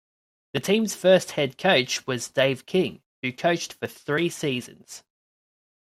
The team's first head coach was Dave King, who coached for three seasons.